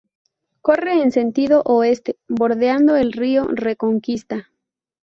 Corre en sentido oeste bordeando el Río Reconquista.